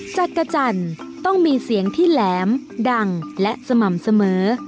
จักรจันทร์ต้องมีเสียงที่แหลมดังและสม่ำเสมอ